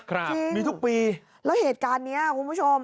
จริงมีทุกปีแล้วเหตุการณ์เนี้ยคุณผู้ชม